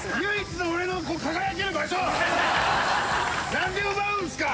何で奪うんすか？